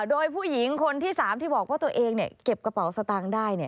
โดยผู้หญิงคนที่๓ที่บอกว่าตัวเองเก็บกระเป๋าสตางค์ได้